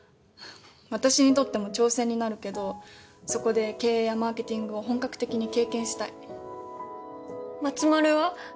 私にとっても挑戦になるけどそこで経営やマーケティングを本格的に経験したい。